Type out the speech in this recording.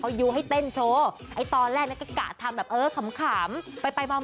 เขายูให้เต้นโชว์ไอ้ตอนแรกนั้นก็กะทำแบบเออขำไปไปมา